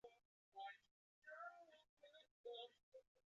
铁州辖境相当今吉林省敦化市西南大蒲柴河马圈子古城。